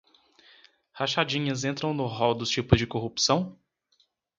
Rachadinhas entram no rol dos tipos de corrupção?